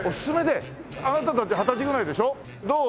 あなたたち二十歳ぐらいでしょ？